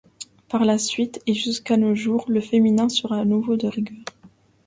Par la suite, et jusqu'à nos jours, le féminin sera à nouveau de rigueur.